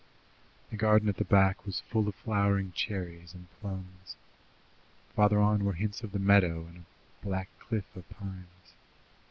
The garden at the back was full of flowering cherries and plums. Farther on were hints of the meadow and a black cliff of pines.